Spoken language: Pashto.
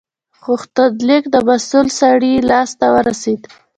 غوښتنلیک د مسول سړي لاس ته ورسید.